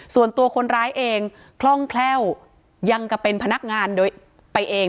ส่วนตัวคนร้ายเองคล่องแคล่วยังกับเป็นพนักงานโดยไปเอง